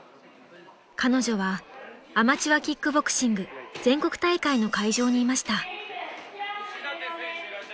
［彼女はアマチュアキックボクシング全国大会の会場にいました］ＯＫ。